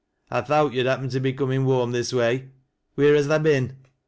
I tliowt yo'd happen to be comin' wlioara this way. Wheer has tha been